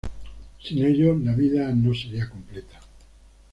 Sin ellos la vida no sería completa.